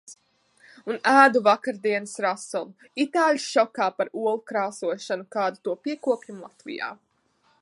Un ēdu vakardienas rasolu. Itāļi šokā par olu krāsošanu, kādu to piekopjam Latvijā.